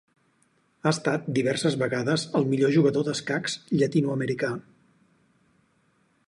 Ha estat diverses vegades el millor jugador d'escacs llatinoamericà.